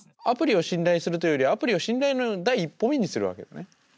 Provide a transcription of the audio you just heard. アプリを信頼するというよりアプリを信頼の第一歩目にするわけだね。